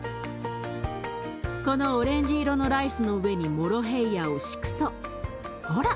このオレンジ色のライスの上にモロヘイヤを敷くとほら！